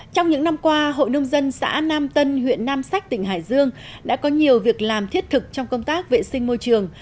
trong những năm qua hội nông dân xã nam tân huyện nam sách tỉnh hải dương đã có nhiều việc làm thiết thực trong công tác vệ sinh môi trường